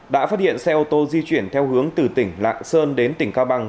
đã phát hiện xe ô tô di chuyển theo hướng từ tỉnh lạng sơn đến tỉnh cao bằng